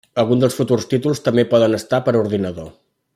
Alguns dels futurs títols també poden estar per ordinador.